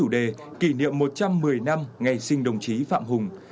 chủ đề kỷ niệm một trăm một mươi năm ngày sinh đồng chí phạm hùng